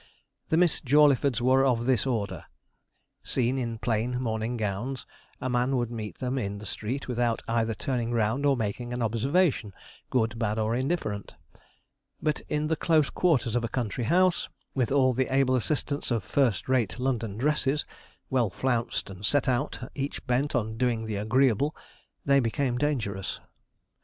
The Miss Jawleyfords were of this order. Seen in plain morning gowns, a man would meet them in the street, without either turning round or making an observation, good, bad, or indifferent; but in the close quarters of a country house, with all the able assistance of first rate London dresses, well flounced and set out, each bent on doing the agreeable, they became dangerous.